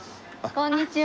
こんにちは。